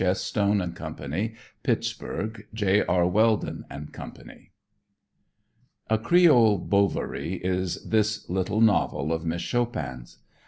S. Stone & Co. Pittsburg: J. R. Weldin & Co. A Creole "Bovary" is this little novel of Miss Chopin's.